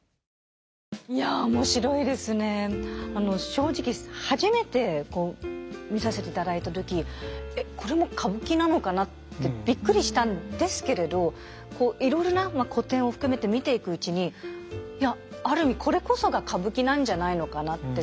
正直初めて見させていただいた時「えっこれも歌舞伎なのかな？」ってびっくりしたんですけれどいろいろな古典を含めて見ていくうちに「いやある意味これこそが歌舞伎なんじゃないのかな」って。